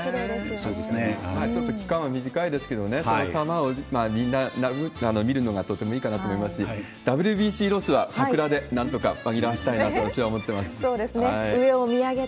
ちょっと期間は短いですけれども、そのさまを見るのがとてもいいかなと思いますし、ＷＢＣロスは桜でなんとか紛らわせたいなと私は思ってます。